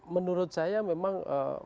menurut saya memang